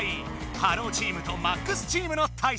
ｈｅｌｌｏ，チームとＭＡＸチームの対戦だ。